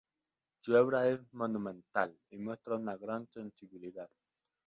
Su obra es monumental y muestra una gran sensibilidad.